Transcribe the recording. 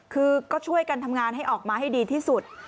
คือก็ช่วยกันทำงานให้ออกมาให้ดีที่สุด